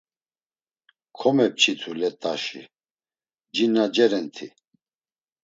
Komepçitu let̆aşi, cin na cerenti.